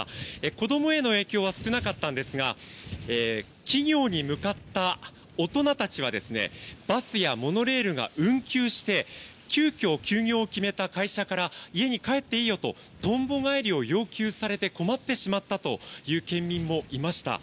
子供への影響は少なかったんですが企業に向かった大人たちはバスやモノレールが運休して急きょ休業を決めた会社から家に帰っていいよととんぼ返りを要求されて困ってしまったという県民もいました。